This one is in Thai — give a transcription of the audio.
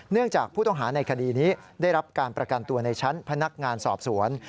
จากผู้ต้องหาในคดีนี้ได้รับการประกันตัวในชั้นพนักงานสอบสวน